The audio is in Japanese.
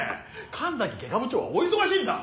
神崎外科部長はお忙しいんだ。